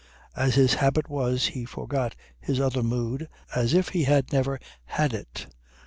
As his habit was, he forgot his other mood as if he had never had it.